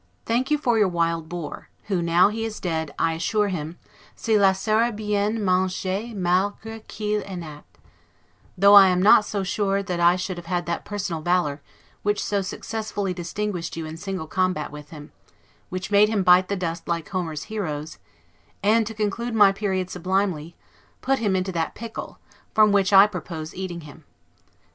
I thank you for your wild boar; who, now he is dead, I assure him, 'se laissera bien manger malgre qu'il en ait'; though I am not so sure that I should have had that personal valor which so successfully distinguished you in single combat with him, which made him bite the dust like Homer's heroes, and, to conclude my period sublimely, put him into that PICKLE, from which I propose eating him.